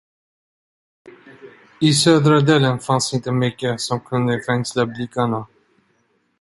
I södra delen fanns inte mycket, som kunde fängsla blickarna.